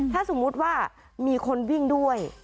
ถ้าสมมุติว่ามีคนวิ่งด้วย